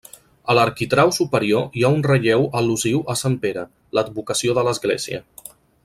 A l'arquitrau superior hi ha un relleu al·lusiu a Sant Pere, l'advocació de l'església.